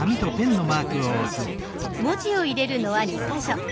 文字を入れるのは２か所。